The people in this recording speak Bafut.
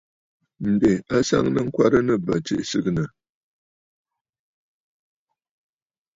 Ǹdè a nsaŋnə ŋkwɛrə nɨ̂ bə̂ tsiʼì sɨgɨ̀nə̀.